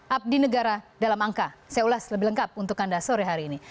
abdi negara dalam angka saya ulas lebih lengkap untuk anda sore hari ini